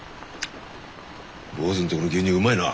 坊主んとこの牛乳うまいな。